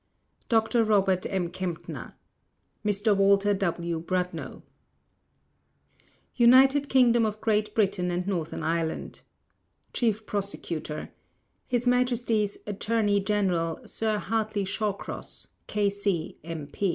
Dr. Robert M. Kempner Mr. Walter W. Brudno United Kingdom of Great Britain and Northern Ireland CHIEF PROSECUTOR: H. M. Attorney General, Sir Hartley Shawcross, K.C., M.